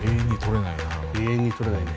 永遠に取れないな。